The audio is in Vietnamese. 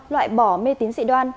loại bỏ mê tín dị đoan